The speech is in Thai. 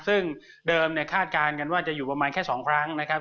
ซึ่งเดิมเนี่ยคาดการณ์กันว่าจะอยู่ประมาณแค่๒ครั้งนะครับ